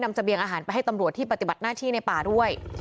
เสบียงอาหารไปให้ตำรวจที่ปฏิบัติหน้าที่ในป่าด้วย